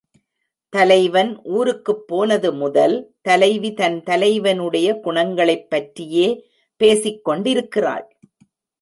தலைவன் ஊருக்குப் போனது முதல் தலைவி தன் தலைவனுடைய குணங்களைப் பற்றியே பேசிக் கொண்டிருக்கிறாள்.